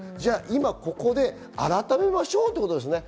じゃあ今ここで改めましょうということですね。